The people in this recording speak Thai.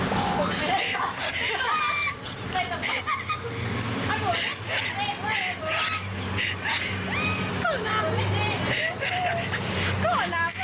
ขอน้ำหน่อย